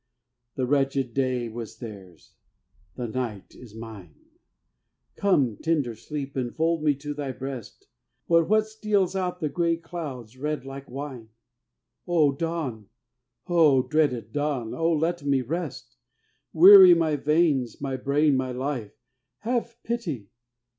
The wretched day was theirs, the night is mine; Come, tender sleep, and fold me to thy breast. But what steals out the gray clouds red like wine? O dawn! O dreaded dawn! O let me rest! Weary my veins, my brain, my life, have pity!